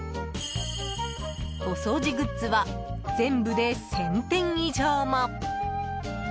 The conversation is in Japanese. お掃除グッズは全部で１０００点以上も。